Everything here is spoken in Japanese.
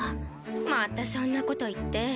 またそんなこと言って。